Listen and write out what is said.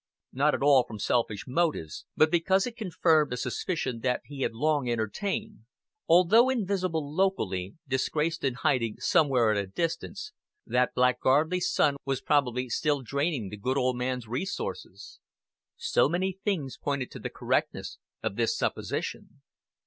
Not at all from selfish motives; but because it confirmed a suspicion that he had long entertained. Although invisible locally, disgraced and hiding somewhere at a distance, that blackguardly son was probably still draining the good old man's resources. So many things pointed to the correctness of this supposition.